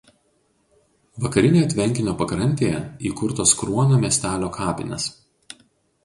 Vakarinėje tvenkinio pakrantėje įkurtos Kruonio miestelio kapinės.